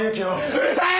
うるさい！